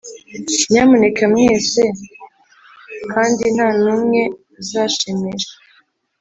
nyamuneka mwese, kandi ntanumwe uzashimisha.